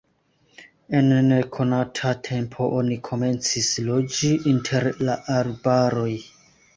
En nekonata tempo oni komencis loĝi inter la arbaroj.